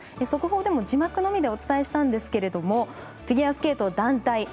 速報でも字幕のみでお伝えしたんですけどもフィギュアスケート団体